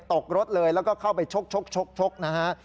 ตกรถเลยแล้วก็เข้าไปชกนะฮะ